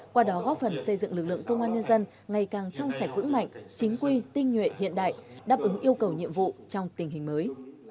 qua đó góp phần xây dựng lực lượng công an nhân dân ngày càng trong sạch vững mạnh chính quy tinh nhuệ hiện đại đáp ứng yêu cầu nhiệm vụ trong tình hình mới